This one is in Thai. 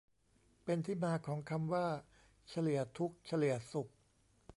เป็นที่มาของคำว่า "เฉลี่ยทุกข์เฉลี่ยสุข"